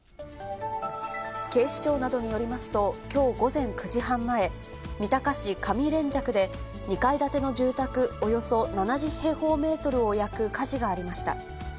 警視庁などによりますと、きょう午前９時半前、三鷹市上連雀で、２階建ての住宅およそ７０平方メートルを焼く火事がありました。